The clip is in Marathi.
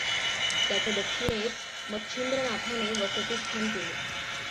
त्याच्या दक्षिणेस मच्छिंद्रनाथानें वसति स्थान केलें.